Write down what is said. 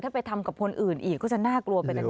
ถ้าไปทำกับคนอื่นอีกก็จะน่ากลัวไปกัน